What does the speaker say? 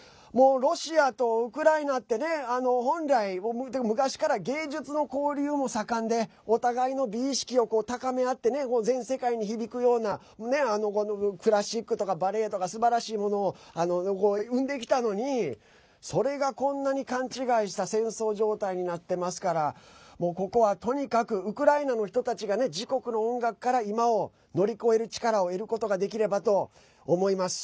ロシアとウクライナってね本来、昔から芸術の交流も盛んでお互いの美意識を高め合って全世界に響くようなクラシックとかバレエとかすばらしいものを生んできたのにそれが、こんなに勘違いした戦争状態になってますからもうここは、とにかくウクライナの人たちが自国の音楽から今を乗り越える力を得ることができればと思います。